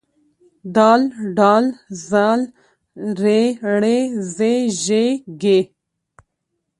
د ډ ذ ر ړ ز ژ ږ